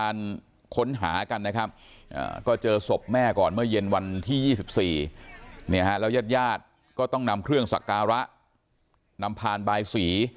รถ๔เนี่ยครับแล้วยาดก็ต้องนำเครื่องสักการะนำพาลใบสี